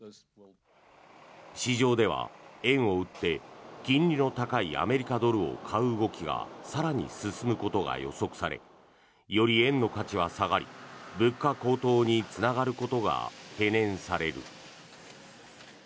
市場では円を売って金利の高いアメリカドルを買う動きが更に進むことが予測されより円の価値は下がり物価高騰につながることが懸念される。